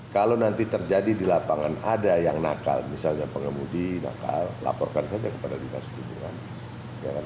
kalau nanti terjadi di lapangan ada yang nakal misalnya pengemudi nakal laporkan saja kepada dinas perhubungan